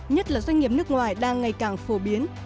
nhất là doanh nghiệp nước ngoài đang ngày càng phổ biến